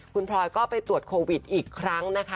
คุณพลอยก็ไปตรวจโควิดอีกครั้งนะคะ